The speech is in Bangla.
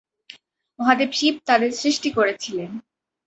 মহাদেব শিব তাদের সৃষ্টি করেছিল।